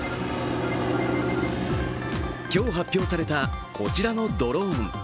今日発表されたこちらのドローン。